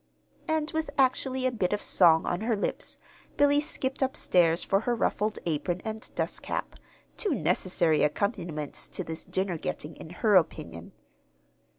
And with actually a bit of song on her lips, Billy skipped up stairs for her ruffled apron and dust cap two necessary accompaniments to this dinner getting, in her opinion.